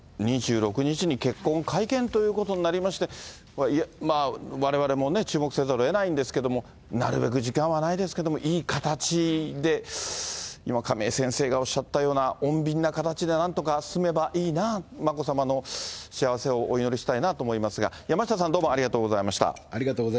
いずれにしても、２６日に結婚会見ということになりまして、われわれもね、注目せざるをえないんですけれども、なるべく時間はないですけれども、いい形で今、亀井先生がおっしゃったような穏便な形でなんとか進めばいいな、眞子さまの幸せをお祈りしたいなと思いますが、山下さん、どうもありがとうございました。